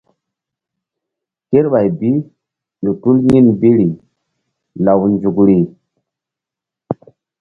Kerɓay bi ƴo tul yin biri law nzukri.